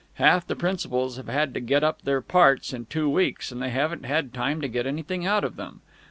Half the principals have had to get up in their parts in two weeks, and they haven't had time to get anything out of them.